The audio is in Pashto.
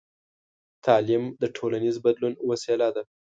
تعلیم د ټولنیز بدلون وسیله ده.